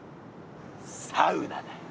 サウナだよ。